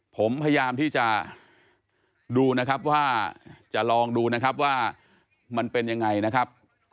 ผมพยายามที่จะดูนะครับว่าจะลองดูนะครับว่ามันเป็นยังไงนะครับ